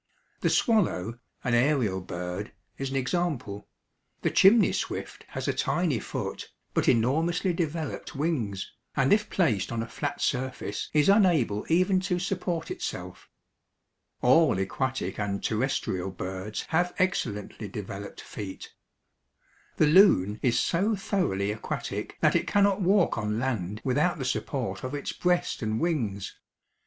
The swallow, an aerial bird, is an example. The chimney swift has a tiny foot, but enormously developed wings, and if placed on a flat surface is unable even to support itself. All aquatic and terrestrial birds have excellently developed feet. The loon is so thoroughly aquatic that it cannot walk on land without the support of its breast and wings.